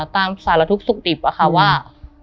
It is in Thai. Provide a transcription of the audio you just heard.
ตามสารทุกข์สุขดิบอะค่ะว่า